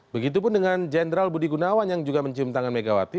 begitupun dengan jenderal budi gunawan yang juga mencium tangan megawati